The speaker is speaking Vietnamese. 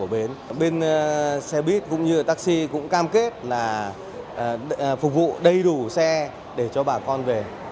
bên xe buýt cũng như taxi cũng cam kết là phục vụ đầy đủ xe để cho bà con về